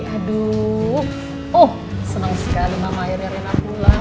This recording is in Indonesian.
aduh oh seneng sekali mama airnya rena pulang